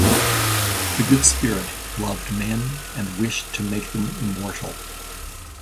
The Good Spirit loved men and wished to make them immortal.